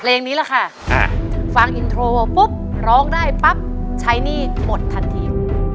เพลงนี้แหละค่ะฟังอินโทรปุ๊บร้องได้ปั๊บใช้หนี้หมดทันที